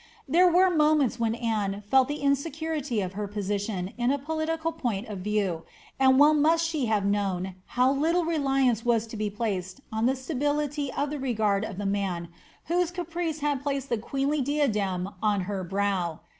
There were momenti when Anne felt the insecurity of her position in a political point of view; and well must she have known how little reliance was to be placed on the stability of the regard of the man whose caprice had placed tlie queenly diadem on her brow.